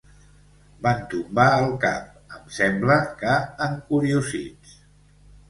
Van tombar el cap, em sembla que encuriosits.